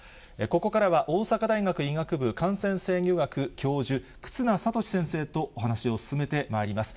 ここからは、大阪大学医学部感染制御学教授、忽那賢志先生とお話を進めてまいります。